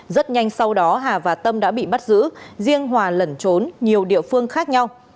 rất nhanh sau đó hà và tâm đã bị bắt giữ riêng hòa lẩn trốn nhiều địa phương khác nhau